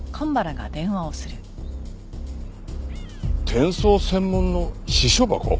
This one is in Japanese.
転送専門の私書箱？